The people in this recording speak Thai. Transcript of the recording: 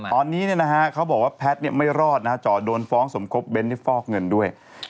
ตอนนี้เขาบอกว่าแพทย์ไม่รอดนะฮะจ่อโดนฟ้องสมคบเน้นที่ฟอกเงินด้วย